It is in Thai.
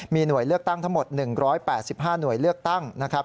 มีหน่วยเลือกตั้งทั้งหมด๑๘๕หน่วยเลือกตั้งนะครับ